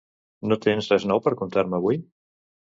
No tens res nou per contar-me avui?